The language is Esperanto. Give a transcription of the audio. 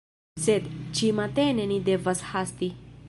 Sed, Ĉi matene ni devas hasti